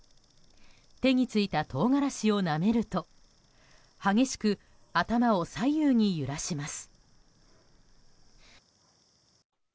手についたトウガラシをなめると激しく頭を左右に揺らします。